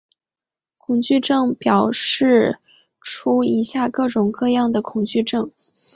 恐惧症列表列出以下各式各样的恐惧症。